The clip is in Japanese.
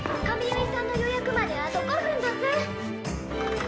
髪結いさんの予約まであと５分どす！